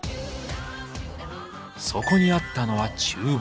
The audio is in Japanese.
そこにあったのは厨房。